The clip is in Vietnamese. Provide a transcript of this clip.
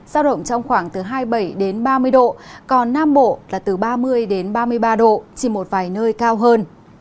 giao động trong khoảng từ hai mươi bảy đến ba mươi độ còn nam bộ là từ ba mươi ba mươi ba độ chỉ một vài nơi cao hơn